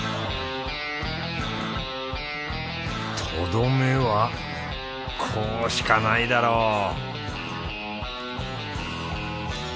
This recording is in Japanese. とどめはこうしかないだろう！